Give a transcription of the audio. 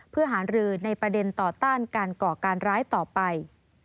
เพื่อหารือในประเด็นต่อต้านการก่อการร้ายต่อไป